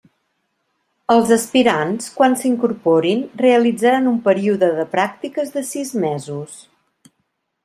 Els aspirants quan s'incorporin realitzaran un període de pràctiques de sis mesos.